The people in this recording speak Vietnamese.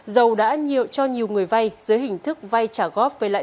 dầu đã nhiều cho nhiều người vay dưới hình thức vay trả góp với lãi